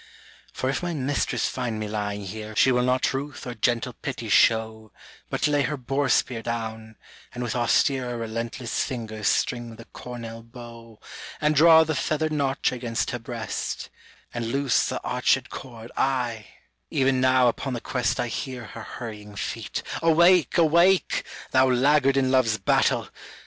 [14a] For if my mistress find me lying here She will not ruth or gentle pity show, But lay her boar spear down, and with austere Relentless fingers string the cornel bow, And draw the feathered notch against her breast, And loose the arched cord, ay, even now upon the quest I hear her hurrying feet, — awake, awake, Thou laggard in love's battle